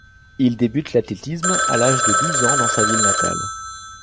Il débute l'athlétisme à l'âge de douze ans dans sa ville natale.